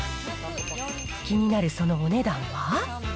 気になるそのお値段は？